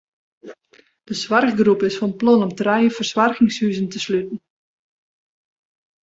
De soarchgroep is fan plan om trije fersoargingshuzen te sluten.